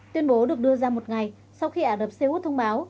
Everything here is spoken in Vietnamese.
tuyên bố được đưa ra một ngày sau khi ả rập xê út thông báo